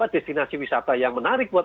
destinasi wisata yang menarik buat